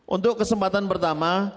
untuk kesempatan pertama